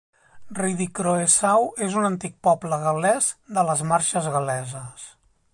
Rhydycroesau és un antic poble gal·lès de les marxes gal·leses.